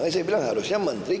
saya bilang harusnya menteri